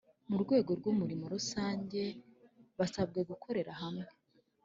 mu rwego rw’umurimo rusange basabwe gukorera hamwe